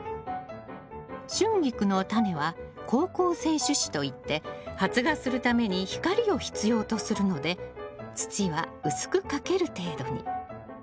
シュンギクのタネは好光性種子といって発芽するために光を必要とするので土は薄くかける程度に。